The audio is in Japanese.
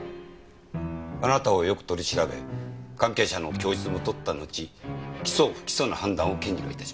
あなたをよく取り調べ関係者の供述も取ったのち起訴不起訴の判断を検事が致します。